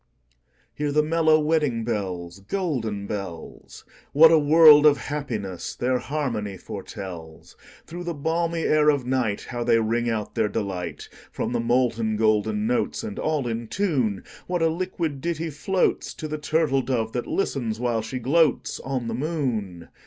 Hear the mellow wedding bells, Golden bells! What a world of happiness their harmony foretells! Through the balmy air of nightHow they ring out their delight! From the molten golden notes, And all in tune, What a liquid ditty floatsTo the turtle dove that listens, while she gloatsOn the moon!